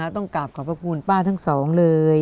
ต้องกลับขอบพระคุณป้าทั้งสองเลย